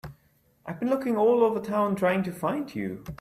I've been looking all over town trying to find you.